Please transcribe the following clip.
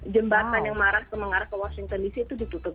jembatan yang mengarah ke washington dc itu ditutup